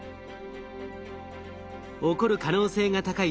起こる可能性が高い